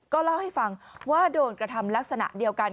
เล่าให้ฟังว่าโดนกระทำลักษณะเดียวกัน